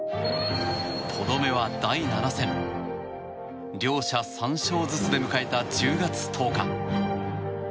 とどめは第７戦。両者３勝ずつで迎えた１０月１０日。